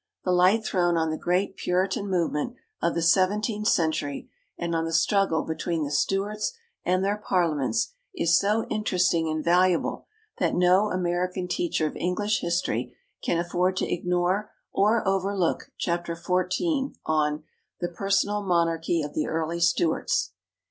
The light thrown on the great Puritan movement of the seventeenth century and on the struggle between the Stuarts and their parliaments is so interesting and valuable that no American teacher of English history can afford to ignore or overlook Chapter XIV on "The Personal Monarchy of the Early Stuarts."